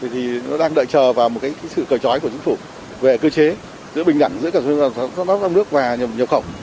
thì nó đang đợi chờ vào một cái sự cờ chói của chính phủ về cơ chế giữa bình đẳng giữa các doanh nghiệp sản xuất lắp ráp trong nước và nhập khẩu